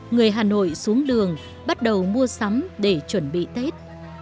người hà nội xuống đường bắt đầu mua sắm để chuẩn bị tết